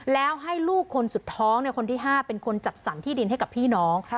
แล้วให้ลูกคนสุดท้องคนที่๕เป็นคนจัดสรรที่ดินให้กับพี่น้อง